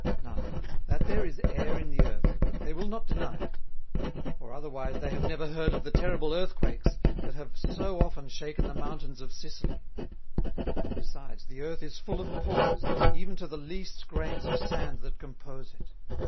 Now that there is Air in the Earth, they will not deny it; or otherwise they have never heard of the terrible Earth quakes, that have so often shaken the Mountains of Sicily: Besides, the Earth is full of Pores, even to the least grains of Sand that com[pose] it.